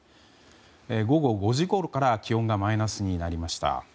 午後５時ごろから気温がマイナスになりました。